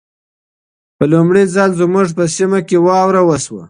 په لمړي ځل زموږ په سيمه کې واوره وشوه.